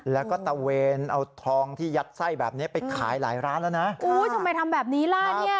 แล้วก็ตะเวนเอาทองที่ยัดไส้แบบนี้ไปขายหลายร้านแล้วนะอุ้ยทำไมทำแบบนี้ล่ะเนี่ย